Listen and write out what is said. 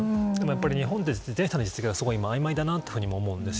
日本って自転車の法律があいまいだと思います。